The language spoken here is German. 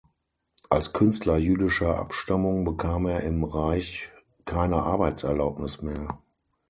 Als Künstler jüdischer Abstammung bekam er im „Reich“ keine Arbeitserlaubnis mehr.